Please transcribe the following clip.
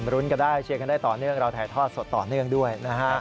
รุ้นกันได้เชียร์กันได้ต่อเนื่องเราถ่ายทอดสดต่อเนื่องด้วยนะฮะ